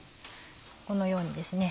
このようにですね